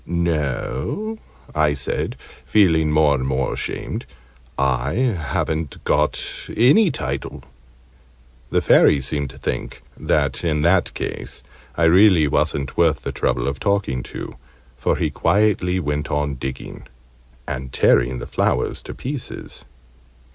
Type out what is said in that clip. "No," I said, feeling more and more ashamed. "I haven't got any title." The Fairy seemed to think that in that case I really wasn't worth the trouble of talking to, for he quietly went on digging, and tearing the flowers to pieces.